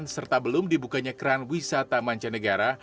serta belum dibukanya keran wisata mancanegara